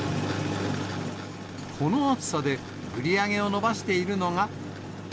この暑さで売り上げを伸ばしているのが。